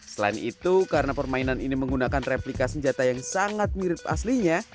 selain itu karena permainan ini menggunakan replika senjata yang sangat mirip aslinya